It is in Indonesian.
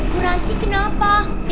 bu messi kenapa